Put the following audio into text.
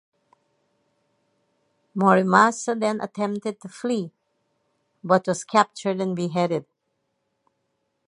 Morimasa then attempted to flee, but was captured and beheaded.